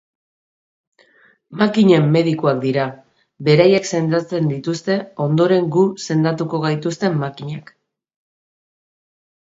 Makinen medikuak dira, beraiek sendatzen dituzte ondoren, gu sendatuko gaituzten makinak.